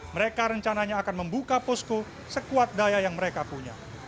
mereka rencananya akan membuka posko sekuat daya yang mereka punya